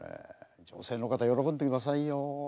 女性の方喜んでくださいよ。